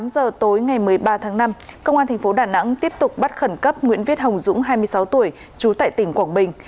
tám giờ tối ngày một mươi ba tháng năm công an tp đà nẵng tiếp tục bắt khẩn cấp nguyễn viết hồng dũng hai mươi sáu tuổi trú tại tỉnh quảng bình